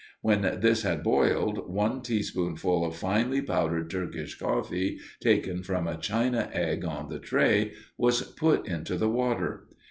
When this had boiled, one teaspoonful of finely powdered Turkish coffee, taken from a china egg on the tray, was put into the water.